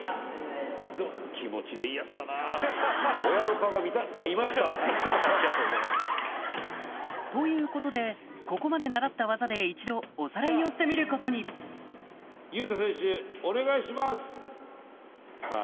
こんな。ということでここまで習った技で一度おさらいをしてみることにさぁ